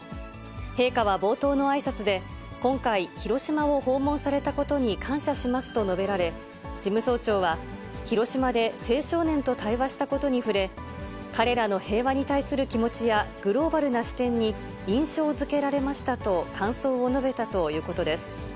陛下は冒頭のあいさつで、今回、広島を訪問されたことに感謝しますと述べられ、事務総長は、広島で青少年と対話したことに触れ、彼らの平和に対する気持ちや、グローバルな視点に印象づけられましたと、感想を述べたということです。